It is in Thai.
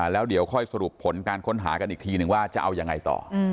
แล้วเดี๋ยวค่อยสรุปผลการค้นหากันอีกทีนึงว่าจะเอายังไงต่อ